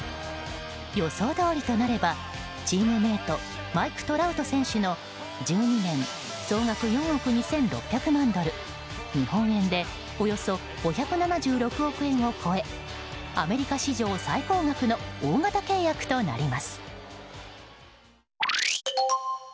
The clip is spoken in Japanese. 予想どおりとなればチームメートマイク・トラウト選手の１２年総額４億２６００万ドル日本円でおよそ５７６億円を超えアメリカ史上最高額の大型契約となります。